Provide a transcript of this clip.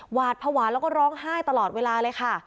หวาดภาวะแล้วก็ร้องไห้ตลอดเวลาเลยค่ะ